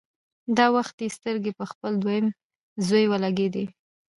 دا وخت يې سترګې په خپل دويم زوی ولګېدې.